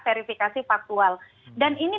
verifikasi faktual dan ini